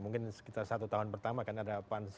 mungkin sekitar satu tahun pertama kan ada pan